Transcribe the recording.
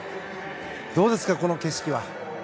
どうですか、この景色は。